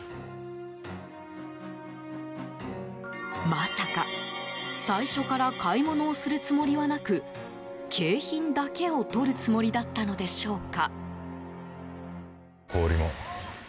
まさか最初から買い物をするつもりはなく景品だけを取るつもりだったのでしょうか。